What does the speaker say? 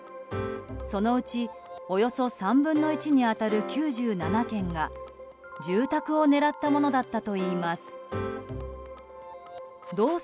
そのうちおよそ３分の１に当たる９７件が住宅を狙ったものだったといいます。